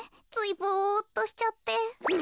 ついぼっとしちゃって。